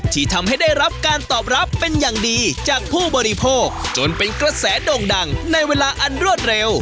ที่ทำให้ได้รับการตอบรับเป็นอย่างดีจากผู้บริโภคจนเป็นกระแสโด่งดังในเวลาอันรวดเร็ว